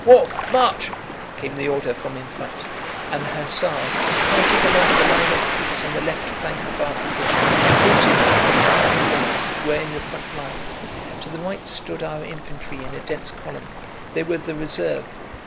Walk, march!" came the order from in front. And the hussars, passing along the line of troops on the left flank of our position, halted behind our Uhlans who were in the front line. To the right stood our infantry in a dense column: they were the reserve.